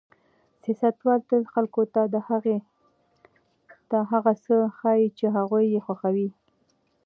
سیاستوال تل خلکو ته هغه څه ښيي چې هغوی یې خوښوي.